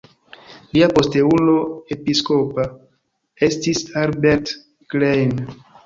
Lia posteulo episkopa estis Albert Klein.